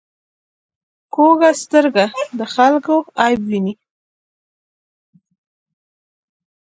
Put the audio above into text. کوږه سترګه د خلکو عیب ویني